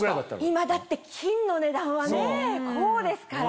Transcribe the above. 今だって金の値段はねこうですから。